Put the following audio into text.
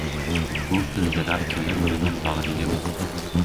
U pildirab kelib meni bag‘riga bosdi.